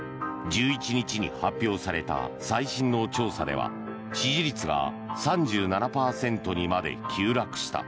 １１日に発表された最新の調査では支持率が３７％にまで急落した。